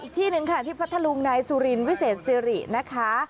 อีกที่หนึ่งค่ะที่พระทะลุงในสุรินทร์วิเศษสิรินะคะ